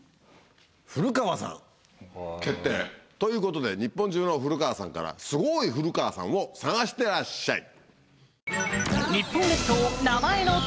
古川さん決定。ということで日本中の古川さんからすごい古川さんを探してらっしゃい。